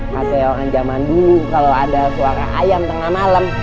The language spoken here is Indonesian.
kaseo an jaman dulu kalo ada suara ayam tengah malem